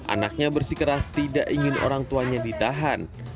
anaknya bersikeras tidak ingin orang tuanya ditahan